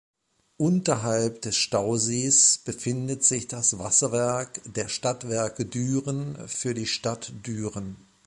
Unterhalb des Stausees befindet sich das Wasserwerk der Stadtwerke Düren für die Stadt Düren.